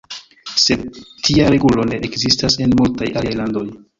Sed tia regulo ne ekzistas en multaj aliaj landoj.